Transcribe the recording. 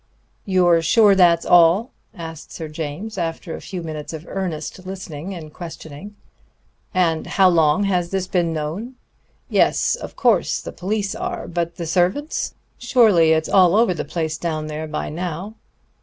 "You're sure that's all?" asked Sir James, after a few minutes of earnest listening and questioning. "And how long has this been known?... Yes, of course, the police are; but the servants? Surely it's all over the place down there by now....